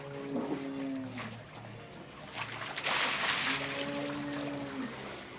susu jangan dicampur dengan air